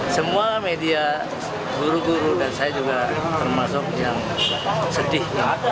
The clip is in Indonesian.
semua media guru guru dan saya juga termasuk yang sedih